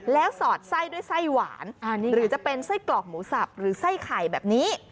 แล้วสอดไส้ด้วยไส้หวานหรือจะเป็นไส้กรอกหมูสับหรือไส้ไข่แบบนี้